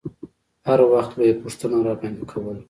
هر وخت به يې پوښتنه راباندې کوله.